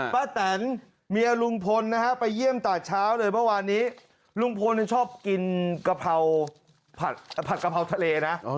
แตนเมียลุงพลนะฮะไปเยี่ยมแต่เช้าเลยเมื่อวานนี้ลุงพลชอบกินกะเพราดกะเพราทะเลนะ